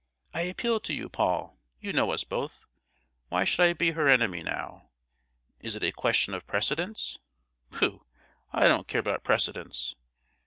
I appeal to you, Paul—you know us both. Why should I be her enemy, now? Is it a question of precedence? Pooh! I don't care about precedence!